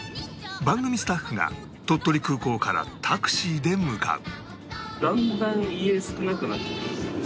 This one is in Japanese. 番組スタッフが鳥取空港からタクシーで向かう